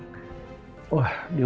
karena dia nekat mau ketemu sama andin